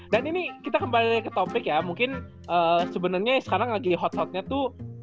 dan ini kita kembali ke topik ya mungkin sebenernya sekarang lagi hotshotnya tuh